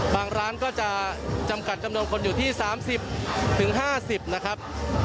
บางร้านก็จะจำกัดจำนวนคนอยู่ที่สามสิบถึงห้าสิบนะครับ